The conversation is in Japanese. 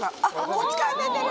こっちから出てる！